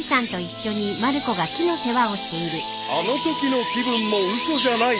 ［あのときの気分も嘘じゃない］